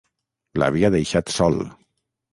L'havia deixat sol.